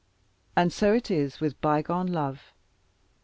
And so it is with bygone love.